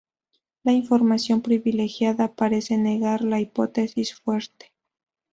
La información privilegiada parece negar la hipótesis fuerte.